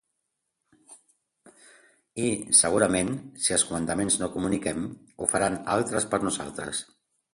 I, segurament, si els comandaments no comuniquem, ho faran altres per nosaltres.